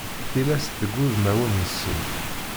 Tillas deg wudmawen-nsen.